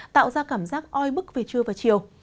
tạo ra cảm giác oi bức về trưa và chiều